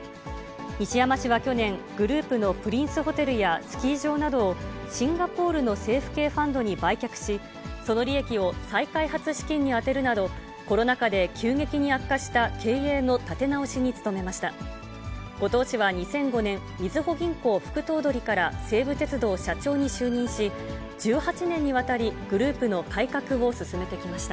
西山氏は去年、グループのプリンスホテルやスキー場などをシンガポールの政府系ファンドに売却し、その利益を再開発資金に充てるなど、コロナ禍で急激に悪化した経営の立て直しに努めました。